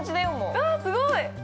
◆あすごい。